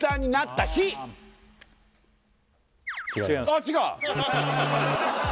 あっ違う？